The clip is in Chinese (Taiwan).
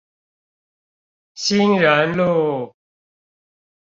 興仁路